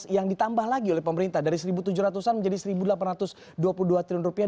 yang ditambah lagi oleh pemerintah dari satu tujuh ratus an menjadi satu delapan ratus dua puluh dua triliun rupiah